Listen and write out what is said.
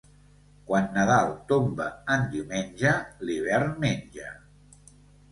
Quan Nadal tomba en diumenge, l'hivern menja.